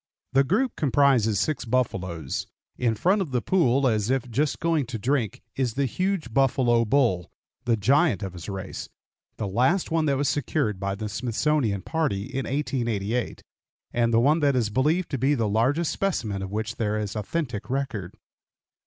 The group comprises six buffaloes. In front of the pool, as if just going to drink, is the huge buffalo bull, the giant of his race, the last one that was secured by the Smithsonian party in 1888, and the one that is believed to be the largest specimen of which there is authentic record.